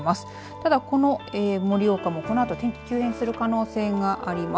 ただ、この盛岡もこのあと天気急変する可能性があります。